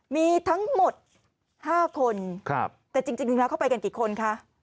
มีทั้งหมด๕คนแต่จริงแล้วเข้าไปกันกี่คนคะ